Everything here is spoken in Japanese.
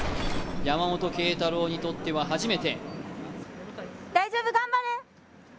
山本桂太朗にとっては初めて。